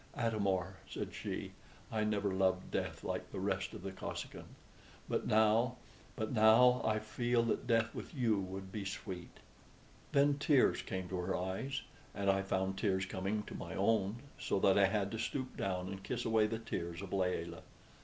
"Atam or," said she, "I never loved death like the rest of the Kosekin; but now but now I feel that death with you would be sweet." Then tears came to her eyes, and I found tears coming to my own, so that I had to stoop down and kiss away the tears of Layelah.